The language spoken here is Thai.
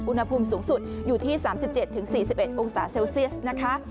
อุณหภูมิสูงสุดอยู่ที่๓๗๔๑องศาเซลเซียสนะคะ